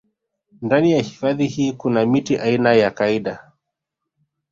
Ndani ya hifadhi hii kuna miti aina ya kaida